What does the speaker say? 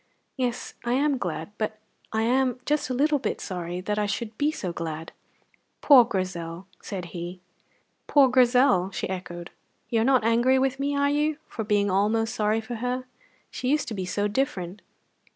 Yes, I am glad, but I am just a little bit sorry that I should be so glad!" "Poor Grizel!" said he. "Poor Grizel!" she echoed. "You are not angry with me, are you, for being almost sorry for her? She used to be so different.